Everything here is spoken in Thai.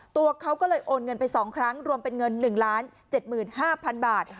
ตัวเขาก็เลยโอนเงินไปสองครั้งรวมเป็นเงินหนึ่งล้านเจ็ดหมื่นห้าพันบาท